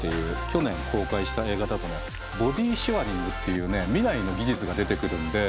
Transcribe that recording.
去年公開した映画だとねボディシェアリングっていうね未来の技術が出てくるんで。